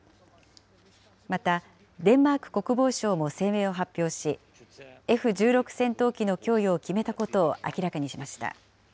また、デンマーク国防省も声明を発表し、Ｆ１６戦闘機の供与を決めたことを明らかにしました。